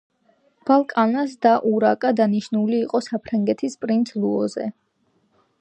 ბლანკას და, ურაკა დანიშნული იყო საფრანგეთის პრინც ლუიზე.